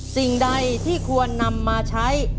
สิ่งใดที่ควรนำมาใช้